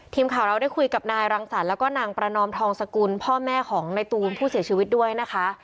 ทีมข่าวเราได้คุยกับนายรังสรรค์แล้วก็นางประนอมทองสกุลพ่อแม่ของในตูนผู้เสียชีวิตด้วยนะคะ